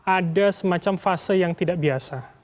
ada semacam fase yang tidak biasa